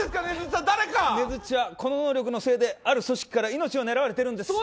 ねづっちは、この能力のせいである組織から命を狙われているんです。